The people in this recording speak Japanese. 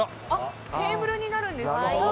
テーブルになるんですね。